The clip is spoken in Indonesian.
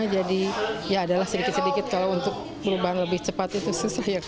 jadi ya adalah sedikit sedikit kalau untuk perubahan lebih cepat itu susah ya